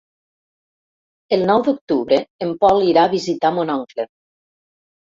El nou d'octubre en Pol irà a visitar mon oncle.